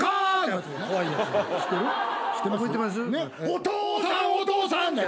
「お父さんお父さん」